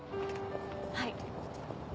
はい。